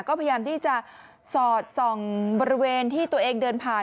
ก็พยายามที่จะสอดส่องบริเวณที่ตัวเองเดินผ่าน